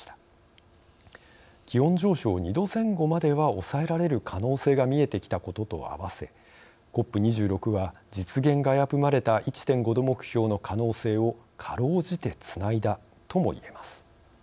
気温上昇２℃前後までは抑えられる可能性が見えてきたこととあわせＣＯＰ２６は実現が危ぶまれた１．５℃目標の可能性をかろうじてつないだともいえます。